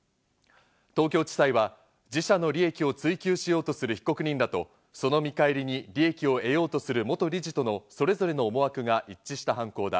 東京地裁は自社の利益を追求しようとする被告人らとその見返りに利益を得ようとする元理事とのそれぞれの思惑が一致した犯行だ。